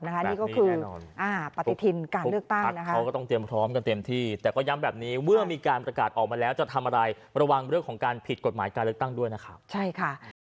นี่ก็คือปก